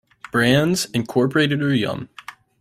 Brands, Incorporated or Yum!